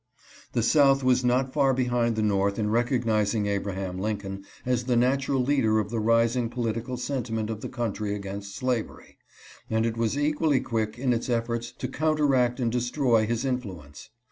The South was not far behind the North in recognizing Abraham Lincoln as the natural leader of the rising political sentiment of the country against slavery, and it was equally quick in its efforts to counteract and destroy his influence.